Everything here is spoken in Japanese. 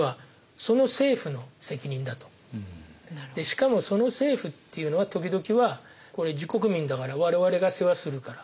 しかもその政府っていうのは時々はこれ自国民だから我々が世話するから全然大丈夫だよ